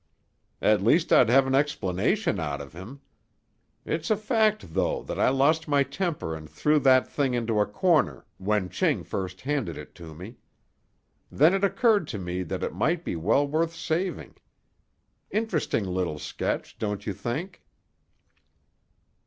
"At least I'd have an explanation out of him. It's a fact though, that I lost my temper and threw that thing into a corner, when Ching first handed it to me. Then it occurred to me that it might be well worth saving. Interesting little sketch, don't you think?"